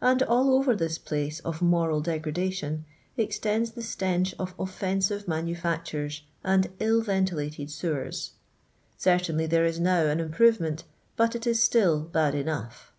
And all over this place of moral degradation extends the stench of offensive manufactures and ill venti lated sewers. CerUinly there is now an improve ment, but it is still bad enough.